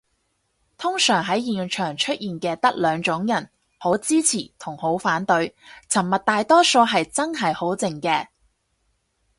通常喺現場出現嘅得兩種人，好支持同好反對，沉默大多數係真係好靜嘅